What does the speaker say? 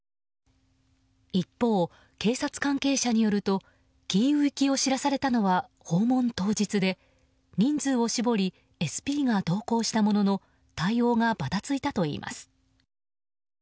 一方、警察関係者によるとキーウ行きを知らされたのは訪問当日で人数を絞りＳＰが同行したものの対応がばたついたといいます。